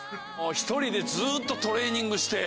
１人でずっとトレーニングして。